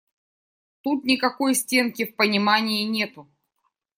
Тут никакой стенки в понимании нету.